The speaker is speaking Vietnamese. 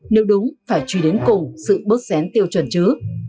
nếu đúng phải truy đến cùng sự bước xén tiêu chuẩn chứ